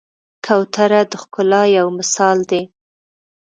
کوتره د ښکلا یو مثال دی.